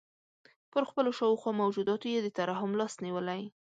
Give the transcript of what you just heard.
پر خپلو شاوخوا موجوداتو یې د ترحم لاس نیولی.